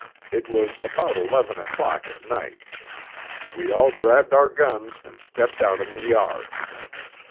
It was about eleven o'clock at night. We all grabbed our guns and stepped out in the yard.